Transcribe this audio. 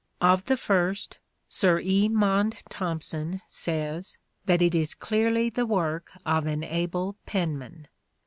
Of the first, Sir E. Maunde Thompson says that it is clearly the work of an able penman.